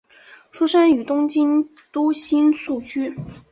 出身于东京都新宿区。